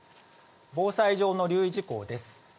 防災上の留意事項です。